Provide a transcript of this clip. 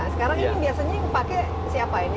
sekarang ini biasanya yang pakai siapa ini